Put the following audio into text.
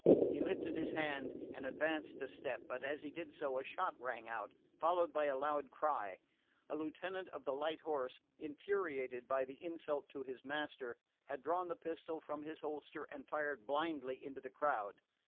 He lifted his hand and advanced a step; but as he did so a shot rang out, followed by a loud cry. The lieutenant of the light horse, infuriated by the insult to his master, had drawn the pistol from his holster and fired blindly into the crowd.